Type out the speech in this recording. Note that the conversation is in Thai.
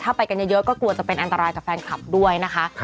ถ้าไปกันเยอะก็กลัวจะเป็นอันตรายกับแฟนคลับด้วยนะคะ